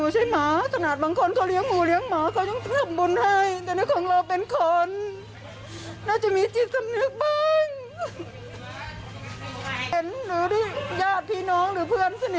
ฉันสนิทเขาเห็นนะครับ